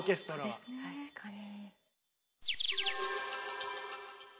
確かに。